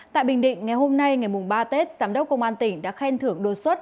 tại bình định ngày hôm nay ngày ba tết giám đốc công an tỉnh đã khen thưởng đột xuất